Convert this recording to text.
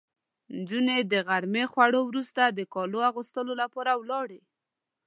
نجونې د غرمې خوړو وروسته د کالو اغوستو لپاره ولاړې.